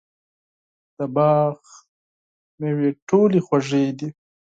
د باغ مېوې ټولې خوږې دي.